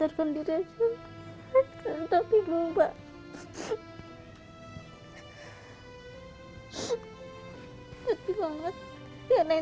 jadi punya saya yang pernah ngerasain masalah yang gini